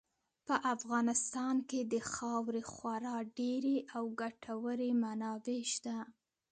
په افغانستان کې د خاورې خورا ډېرې او ګټورې منابع شته.